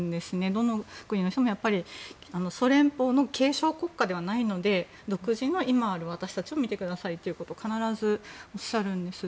どの国の人もやっぱりソ連邦の継承国家ではないので独自の今ある私たちを見てくださいということを必ずおっしゃるんです。